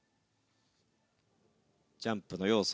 ジャンプの要素